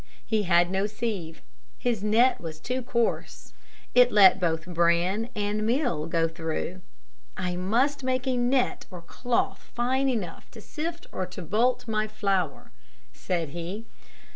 He had no sieve. His net was too coarse. It let both bran and meal go through. "I must make a net or cloth fine enough to sift or bolt my flour," said he.